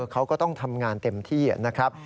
เขาก็ต้องทำงานเต็มที่นะครับ